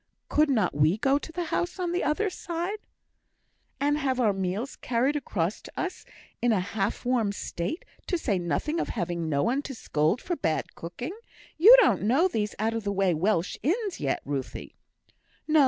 "Could not we go to the house on the other side, sir?" "And have our meals carried across to us in a half warm state, to say nothing of having no one to scold for bad cooking! You don't know these out of the way Welsh inns yet, Ruthie." "No!